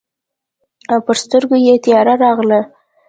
پر سترګو یې تياره راغله.